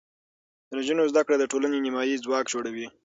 د نجونو زده کړه د ټولنې نیمایي ځواک جوړوي.